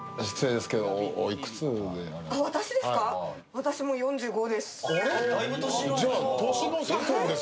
私、もう４５です。